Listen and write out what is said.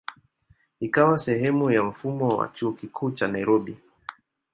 Ikawa sehemu ya mfumo wa Chuo Kikuu cha Nairobi.